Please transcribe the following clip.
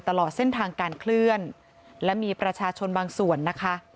ตลอดเส้นทางการเคลื่อนและมีประชาชนบางส่วนนะคะ